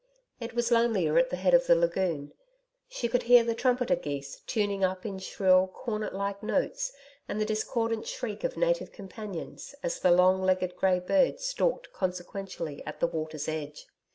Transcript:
It was lonelier at the head of the lagoon. She could hear the trumpeter geese tuning up in shrill cornet like notes and the discordant shriek of native companions, as the long legged grey birds stalked consequentially at the water's edge.